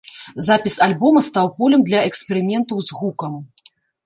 Запіс альбома стаў полем для эксперыментаў з гукам.